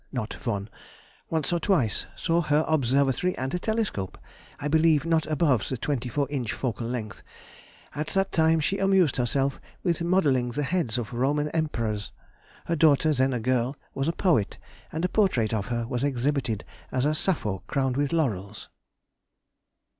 (not von) once or twice, saw her observatory and a telescope, I believe not above 24 inch focal length; at that time she amused herself with modelling the heads of the Roman Emperors: her daughter, then a girl, was a poet, and a portrait of her was exhibited as a Sappho crowned with laurels....